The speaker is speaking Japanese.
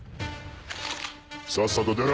さっさと出ろ！